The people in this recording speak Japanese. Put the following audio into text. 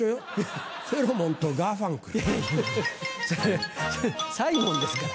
それサイモンですから。